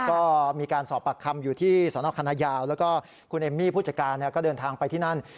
ก็มีการสอบปากคำอยู่ที่สนคณะยาวแล้วก็คุณเอมมี่ผู้จัดการก็เดินทางไปที่นั่น